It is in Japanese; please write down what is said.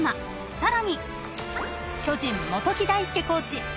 ［さらに巨人元木大介コーチ］